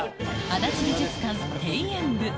足立美術館庭園部。